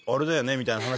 みたいな話。